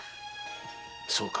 そうか。